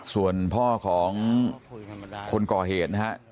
ส่วนพ่อของคนก่อเหตุนะฮะ